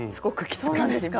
そうなんですか？